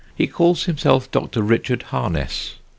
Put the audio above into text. He calls himself Dr. Richard Harness.